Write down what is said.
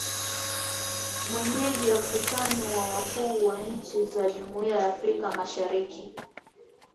mwenyeji wa mkutano wa wakuu wa nchi za jumuia ya Afrika mashariki